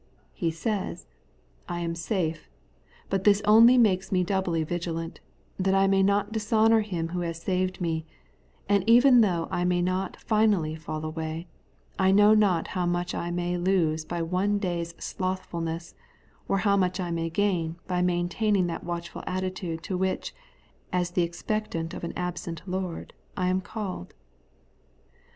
He says, I am safe ; but this only makes me doubly vigilant, that I may not dishonour Him who has saved me; and even though I may not finally fall away, I know not how much I may lose by one day's slothfulness, or how much I may gain by maintaining that watchful attitude to which, as the expectant of an absent Lord, I am called.